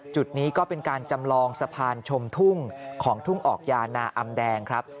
จุดนี้ก็เป็นการจำลองสะพานชมทุ่งของทุ่งออกยานาอำแดงครับ